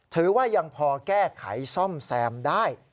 ถือว่ายังพอแก้ไขซ่อมแซมได้